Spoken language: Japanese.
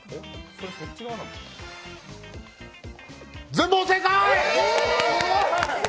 全問正解！